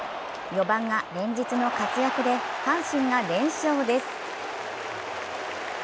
４番が連日の活躍で阪神が連勝です